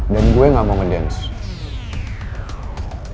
dan gue gak mau ngedance